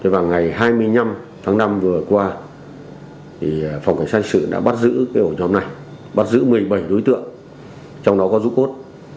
vào ngày hai mươi năm tháng năm vừa qua phòng cảnh sát hình sự đã bắt giữ ổ nhóm này bắt giữ một mươi bảy đối tượng trong đó có dũng cốt